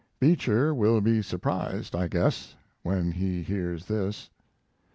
Beecher will be surprised, I guess, when he hears this.